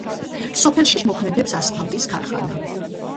სოფელში მოქმედებს ასფალტის ქარხანა.